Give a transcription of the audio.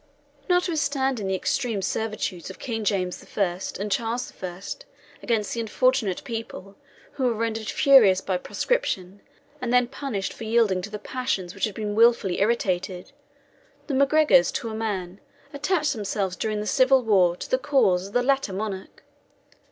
Notwithstanding the extreme severities of King James I. and Charles I. against this unfortunate people, who were rendered furious by proscription, and then punished for yielding to the passions which had been wilfully irritated, the MacGregors to a man attached themselves during the civil war to the cause of the latter monarch.